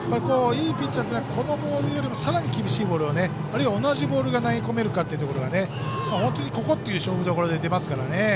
いいピッチャーというのはこのボールよりもさらに厳しいボールをあるいは同じボールが投げ込めるかというのがここという勝負どころで出ますからね。